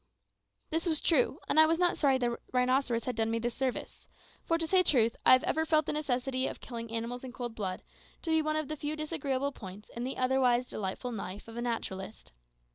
This was true, and I was not sorry that the rhinoceros had done me this service; for, to say truth, I have ever felt the necessity of killing animals in cold blood to be one of the few disagreeable points in the otherwise delightful life of a naturalist.